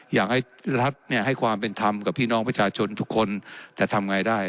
อยากให้รัฐเนี่ยให้ความเป็นธรรมกับพี่น้องประชาชนทุกคนแต่ทำไงได้